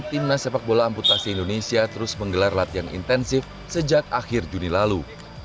timnas sepak bola amputasi indonesia terus menggelar latihan intensif sejak akhir juni lalu